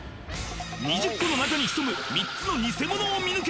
２０個の中に潜む３つのニセモノを見抜け！